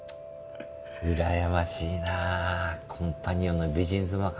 うらやましいなあコンパニオンの美人妻か。